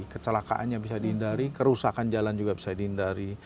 kecelakaannya bisa dihindari kerusakan jalan juga bisa dihindari